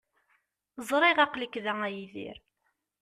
Ẓriɣ aql-ik da, a Yidir.